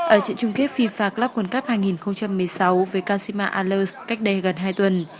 ở trận chung kết fifa clup world cup hai nghìn một mươi sáu với kasima alers cách đây gần hai tuần